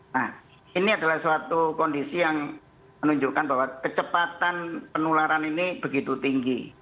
nah ini adalah suatu kondisi yang menunjukkan bahwa kecepatan penularan ini begitu tinggi